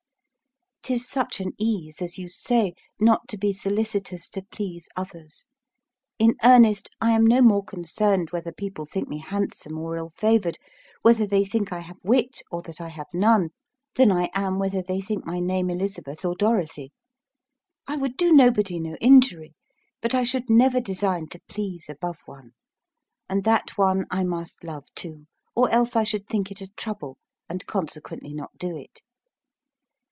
'Tis such an ease (as you say) not to be solicitous to please others: in earnest, I am no more concerned whether people think me handsome or ill favoured, whether they think I have wit or that I have none, than I am whether they think my name Elizabeth or Dorothy. I would do nobody no injury; but I should never design to please above one; and that one I must love too, or else I should think it a trouble, and consequently not do it.